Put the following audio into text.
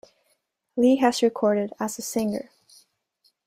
Lee has recorded as a singer.